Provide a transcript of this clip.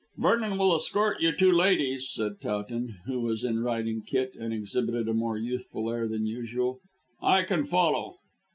"Vernon will escort you two ladies," said Towton, who was in riding kit, and exhibited a more youthful air than usual. "I can follow."